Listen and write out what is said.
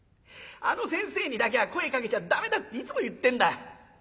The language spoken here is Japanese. あの先生にだけは声かけちゃ駄目だっていつも言ってんだ。